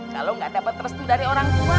kalau gak dapet restu dari orang tua